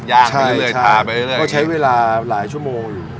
ย่างไปเรื่อยทาไปเรื่อยก็ใช้เวลาหลายชั่วโมงอยู่